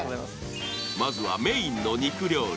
まずはメインの肉料理。